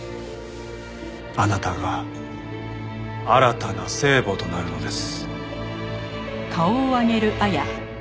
あなたが新たな聖母となるのです。